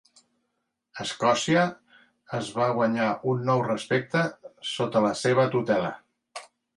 Escòcia es va guanyar un nou respecte sota la seva tutela.